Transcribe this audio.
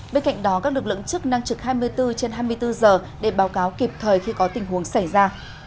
bên cạnh đó các lực lượng chức năng trực hai mươi bốn trên hai mươi bốn giờ để báo cáo kịp thời khi có tình huống xảy ra